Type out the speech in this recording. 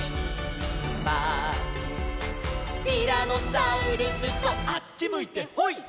「ティラノサウルスとあっちむいてホイ！？」